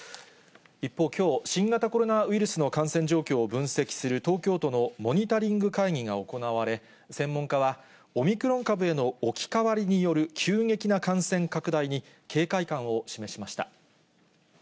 一方、きょう、新型コロナウイルスの感染状況を分析する東京都のモニタリング会議が行われ、専門家はオミクロン株への置き換わりによる急激な感染拡大に警戒感を示しました。